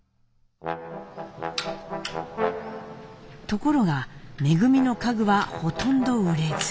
ところが恩の家具はほとんど売れず。